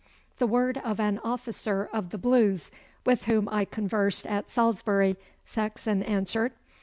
'The word of an officer of the Blues with whom I conversed at Salisbury,' Saxon answered.